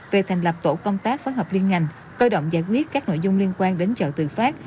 về thành lập tổ công tác phối hợp liên ngành cơ động giải quyết các nội dung liên quan đến chợ tự phát